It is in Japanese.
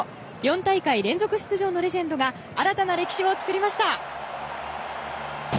４大会連続出場のレジェンドが新たな歴史を作りました。